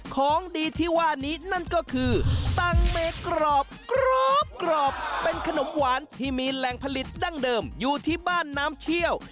ของดีที่ว่านี้นั่นก็คือตังเมกรอบกรอบเป็นขนมหวานที่มีแหล่งผลิตดั้งเดิมอยู่ที่บ้านน้ำเชี่ยว